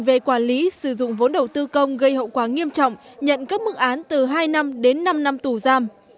về quản lý sử dụng vốn đầu tư công gây hậu quả nghiêm trọng nhận các mức án từ hai năm đến năm năm tù giam